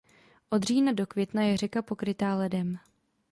Od října do května je řeka pokrytá ledem.